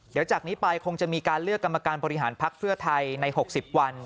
เดี๋ยวจากนี้ไปคงจะมีการเลือกกรรมการบริหารภักดิ์เพื่อไทยใน๖๐วัน